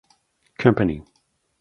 Company.